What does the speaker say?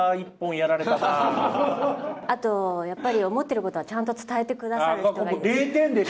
ああ、あと、やっぱり思ってることはちゃんと伝えてくださる人がいいです。